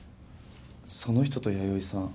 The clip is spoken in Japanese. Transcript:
その人と弥生さん